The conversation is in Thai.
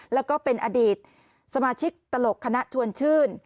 แล้วก็เป็นอดีตสมาชิกตลกคณะชวนชื่น